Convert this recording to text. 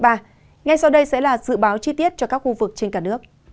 tiếp theo sẽ là những cập nhật về tình hình thời tiết cho các khu vực trên cả nước